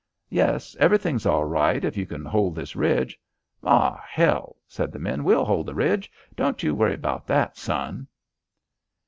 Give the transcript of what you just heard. "Yes, everything is all right if you can hold this ridge." "Aw, hell," said the men, "we'll hold the ridge. Don't you worry about that, son."